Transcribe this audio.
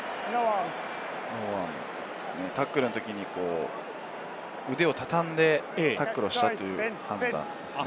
タックルのときに腕をたたんでタックルをしたという判断ですね。